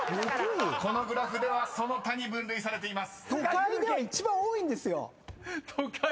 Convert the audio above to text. ［このグラフではその他に分類されています］